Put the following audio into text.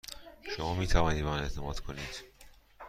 شما می توانید به من اعتماد کنید.